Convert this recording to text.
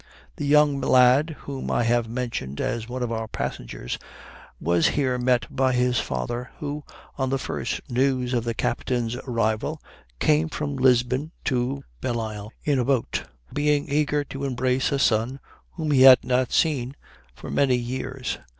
The young lad whom I have mentioned as one of our passengers was here met by his father, who, on the first news of the captain's arrival, came from Lisbon to Bellisle in a boat, being eager to embrace a son whom he had not seen for many years.